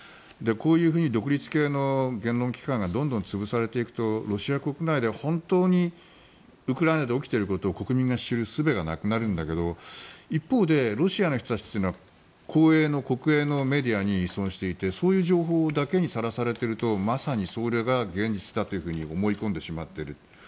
こういうふうに独立系の言論機関がどんどん潰されていくとロシア国内で、本当にウクライナで起きていることを国民が知るすべがなくなるんだけど一方でロシアの人たちというのは公営の国営のメディアに依存していてそういう情報だけにさらされているとまさにそれが現実だというふうに思い込んでしまっている。